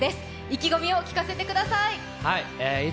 意気込みを聞かせてください。